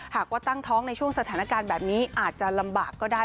หากว่าตั้งท้องในช่วงสถานการณ์แบบนี้อาจจะลำบากก็ได้